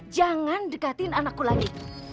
jangan dekati anakku lagi